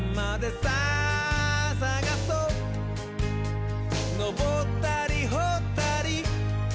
「さあさがそうのぼったりほったり」